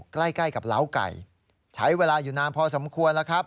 ใกล้กับเหล้าไก่ใช้เวลาอยู่นานพอสมควรแล้วครับ